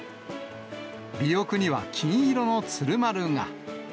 尾翼には金色の鶴丸が。